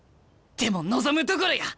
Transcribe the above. でも望むところや！